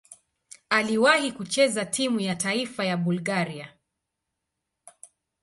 Aliwahi kucheza timu ya taifa ya Bulgaria.